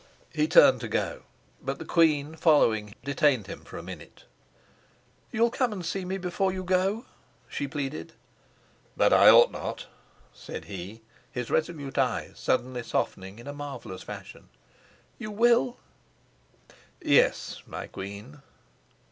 He turned to go, but the queen, following, detained him for a minute. "You'll come and see me before you go?" she pleaded. "But I ought not," said he, his resolute eyes suddenly softening in a marvelous fashion. "You will?" "Yes, my queen."